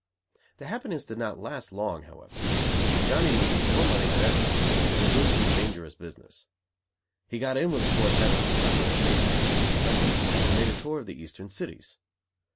Their happiness did not last long, however. Johnny needed money more than ever now and resumed his dangerous business. He got in with a quartette of the cleverest safe crackers in the country, and made a tour of the Eastern cities.